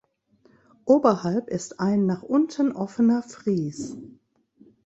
Oberhalb ist ein nach unten offener Fries.